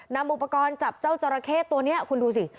นำอุปกรณ์จับเจ้าจราเข้ตัวนี้คุณดูสิ